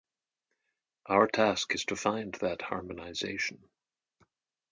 Our task is to find that harmonization.